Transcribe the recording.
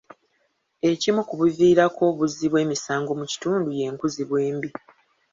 Ekimu ku biviirako obuzzi bw'emisango mu kitundu y'enkuzibwa embi.